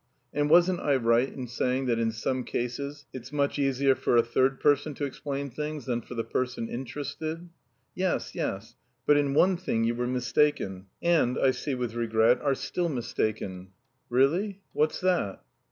"And wasn't I right in saying that in some cases it's much easier for a third person to explain things than for the person interested?" "Yes, yes... but in one thing you were mistaken, and, I see with regret, are still mistaken." "Really, what's that?"